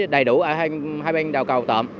đầy đủ ở hai bên đầu cầu tộm